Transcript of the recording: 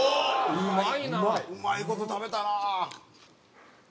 うまい事食べたな。